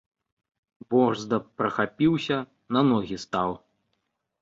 Борзда прахапіўся, на ногі стаў.